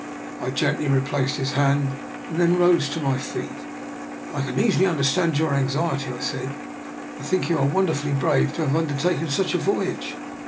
I gently replaced his hand, and then rose to my feet. " I can easily understand your anxiety," I said. " I think you are wonderfully brave to have undertaken such a voyage.